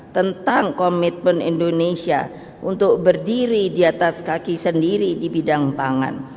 tentang komitmen indonesia untuk berdiri di atas kaki sendiri di bidang pangan